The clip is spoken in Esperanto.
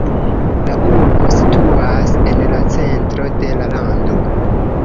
La urbo situas en la centro de la lando.